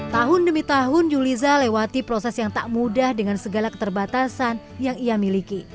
tahun demi tahun yuliza lewati proses yang tak mudah dengan segala keterbatasan yang ia miliki